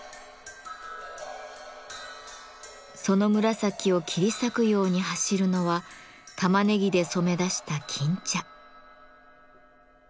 その紫を切り裂くように走るのはたまねぎで染め出した金茶。